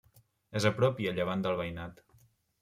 És a prop i a llevant del Veïnat.